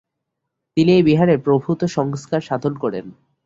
তিনি এই বিহারের প্রভূত সংস্কার সাধন করেন।